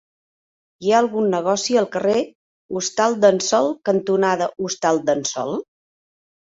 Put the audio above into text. Hi ha algun negoci al carrer Hostal d'en Sol cantonada Hostal d'en Sol?